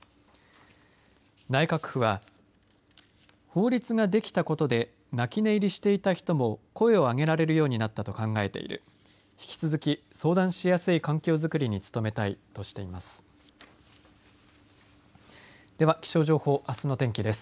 内閣府は法律ができたことで泣き寝入りしていた人も声を上げられるようになったと考えている引き続き相談しやすい環境作りに努めたいとしています。